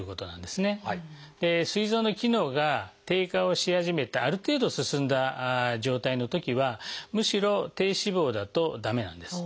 すい臓の機能が低下をし始めたある程度進んだ状態のときはむしろ低脂肪だと駄目なんです。